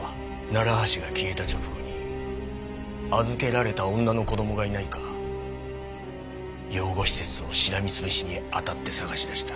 楢橋が消えた直後に預けられた女の子供がいないか養護施設をしらみ潰しに当たって捜し出した。